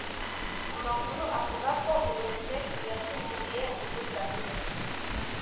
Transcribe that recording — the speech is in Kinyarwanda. Amakuru avuga ko uyu mukecuru yasinziriye ubuda